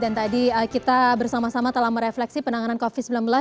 dan tadi kita bersama sama telah merefleksi penanganan covid sembilan belas